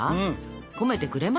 込めてくれますか？